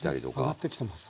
上がってきてます。